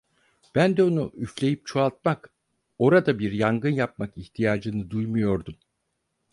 Ben de onu üfleyip çoğaltmak, orada bir yangın yapmak ihtiyacını duymuyordum…